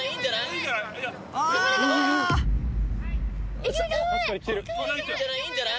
・いいんじゃない？